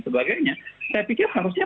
sebagainya saya pikir harusnya